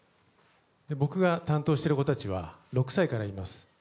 僕が担当している子たちは６歳からいます。